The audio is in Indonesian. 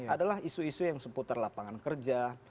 adalah isu isu yang seputar lapangan kerja